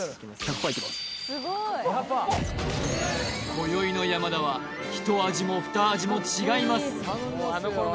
今宵の山田はひと味もふた味も違います